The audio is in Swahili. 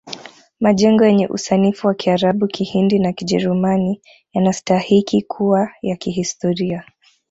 Majengo yenye usanifu wa kiarabu kihindi na kijerumani yanastahiki kuwa ya kihistoria